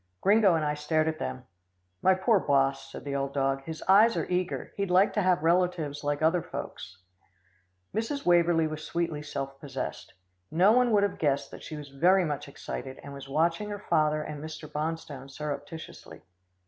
Gringo and I stared at them. "My poor boss," said the old dog, "his eyes are eager. He'd like to have relatives like other folks." Mrs. Waverlee was sweetly self possessed. No one would have guessed that she was very much excited, and was watching her father and Mr. Bonstone surreptitiously.